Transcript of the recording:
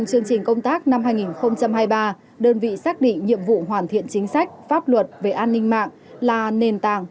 trong chương trình công tác năm hai nghìn hai mươi ba đơn vị xác định nhiệm vụ hoàn thiện chính sách pháp luật về an ninh mạng là nền tảng